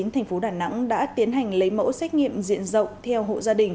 thành phố đà nẵng đã tiến hành lấy mẫu xét nghiệm diện rộng